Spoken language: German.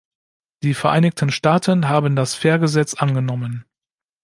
Die Vereinigten Staaten haben das Fair-Gesetz angenommen.